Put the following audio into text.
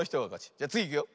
じゃつぎいくよ。